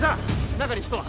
中に人は！？